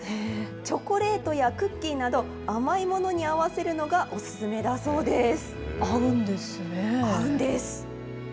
チョコレートやクッキーなど、甘いものに合わせるのがお勧めだそうです。